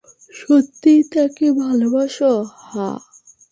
সত্যিই তাকে ভালোবাসো, হাহ?